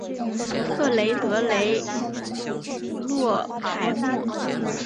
特雷德雷洛凯莫。